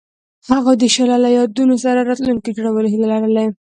هغوی د شعله له یادونو سره راتلونکی جوړولو هیله لرله.